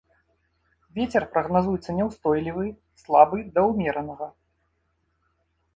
Вецер прагназуецца няўстойлівы, слабы да ўмеранага.